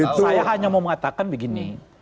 saya hanya mau mengatakan begini